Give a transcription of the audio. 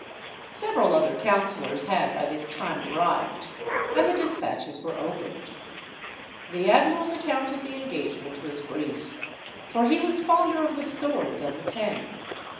Several other councillors had by this time arrived, and the despatches were opened. The admiral's account of the engagement was brief, for he was fonder of the sword than the pen.